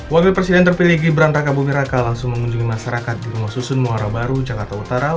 wakil presiden terpilih gibran raka buming raka langsung mengunjungi masyarakat di rumah susun muara baru jakarta utara